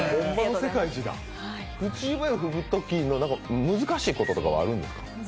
口笛吹くときの難しいことはあるんですか？